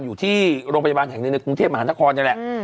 อยู่ที่โรงพยาบาลแห่งแดงเงินในกรุงเทพ๙๐คอนดีแหละ